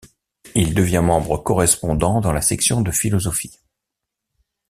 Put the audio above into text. Il devient membre correspondant dans la section de philosophie.